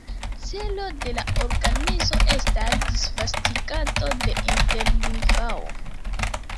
Celo de la organizo estas disvastigado de interlingvao.